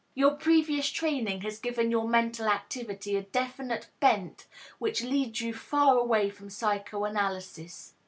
Your previous training has given your mental activity a definite bent which leads you far away from psychoanalysis.